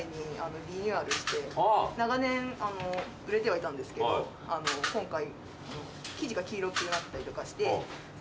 長年売れてはいたんですけど今回生地が黄色くなったりして。